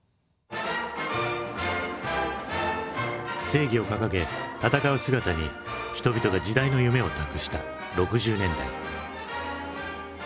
正義を掲げ闘う姿に人々が時代の夢を託した６０年代。